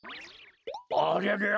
ありゃりゃ？